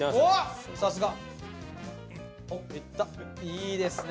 いいですね